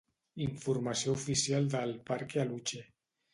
Informació oficial del Parque Aluche.